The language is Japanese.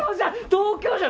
東京じゃ！